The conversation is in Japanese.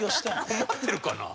困ってるかな？